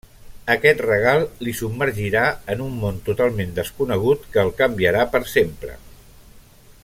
Aquest regal li submergirà en un món totalment desconegut que el canviarà per sempre.